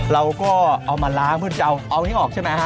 เราก็เอามาล้างเพื่อนเจ้าเอาอันนี้ออกใช่ไหมครับ